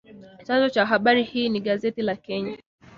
Chanzo cha habari hii ni gazeti la Kenya